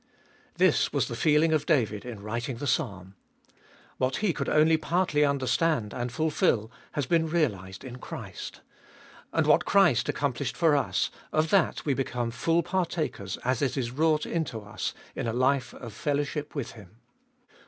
This was the feeling of David in writing the Psalm. What he could only partly understand and fulfil has been realised in Christ. And what Christ accomplished for us, of that we become full partakers as it is wrought into us, in a life of fellowship with Him.